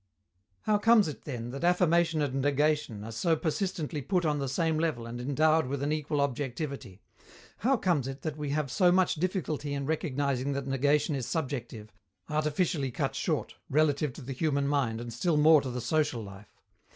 How comes it, then, that affirmation and negation are so persistently put on the same level and endowed with an equal objectivity? How comes it that we have so much difficulty in recognizing that negation is subjective, artificially cut short, relative to the human mind and still more to the social life?